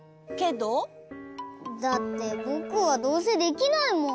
だってぼくはどうせできないもん。